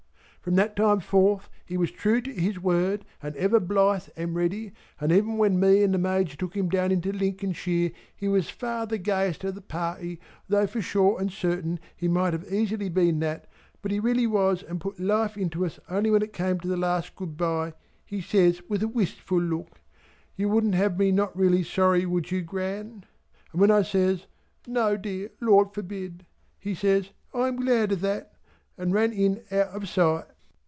From that time forth he was true to his word and ever blithe and ready, and even when me and the Major took him down into Lincolnshire he was far the gayest of the party though for sure and certain he might easily have been that, but he really was and put life into us only when it came to the last Good bye, he says with a wistful look, "You wouldn't have me not really sorry would you Gran?" and when I says "No dear, Lord forbid!" he says "I am glad of that!" and ran in out of sight.